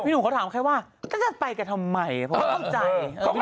หนุ่มเขาถามแค่ว่าก็จะไปกันทำไมเพราะว่าเข้าใจ